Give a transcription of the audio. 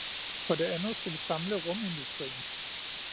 For det andet skal vi samle rumindustrien.